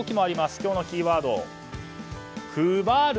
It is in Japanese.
今日のキーワード、クバル。